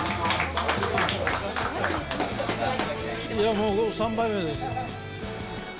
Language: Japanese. もう３杯目ですよ。